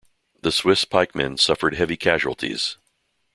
The Swiss pikemen suffered heavy casualties.